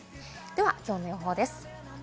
きょうの予報です。